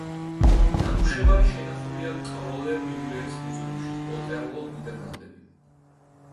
ნამუშევარი შენახულია კროლერ-მიულერის მუზეუმში, ოტერლო, ნიდერლანდები.